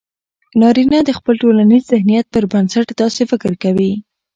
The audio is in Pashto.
نارينه د خپل ټولنيز ذهنيت پر بنسټ داسې فکر کوي